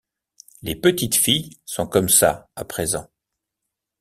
Les petites filles sont comme ça à présent.